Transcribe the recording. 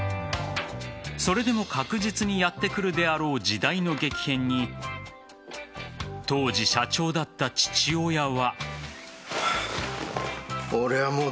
それでも確実にやってくるであろう時代の激変に当時、社長だった父親は。